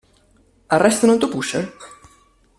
Arrestano il tuo pusher?